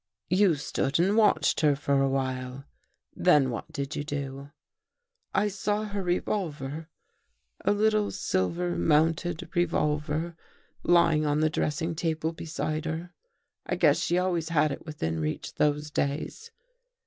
" You stood and watched her for a while. Then what did you do? "" I saw her revolver, a little silver mounted re volver, lying on the dressing table beside her. I guess she always had it within reach those days.